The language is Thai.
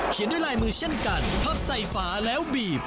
ด้วยลายมือเช่นกันพับใส่ฝาแล้วบีบ